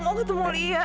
aku mau ketemu liya